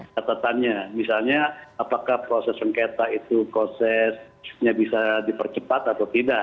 catatannya misalnya apakah proses sengketa itu prosesnya bisa dipercepat atau tidak